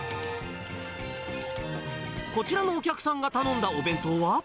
こちらのお客さんが頼んだお弁当は。